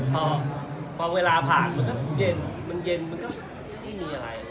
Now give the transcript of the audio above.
พอเวลาผ่านมันก็เย็นมันเย็นมันก็ไม่มีอะไร